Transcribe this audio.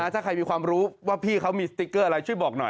ถ้าใครมีความรู้ว่าพี่เขามีสติ๊กเกอร์อะไรช่วยบอกหน่อย